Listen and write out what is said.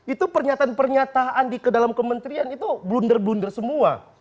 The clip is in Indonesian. itu pernyataan pernyataan di ke dalam kementerian itu blunder blunder semua